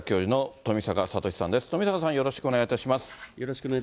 富坂さん、よろしくお願いいたします。